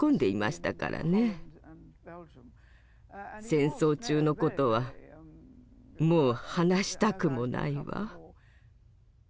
戦争中のことはもう話したくもないわ。